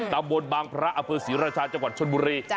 ตำบลบางพระอเภอศรีราชาจังหวัดชนบุรี